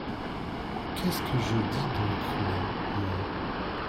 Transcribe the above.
Qu'est-ce que je dis donc là, moi !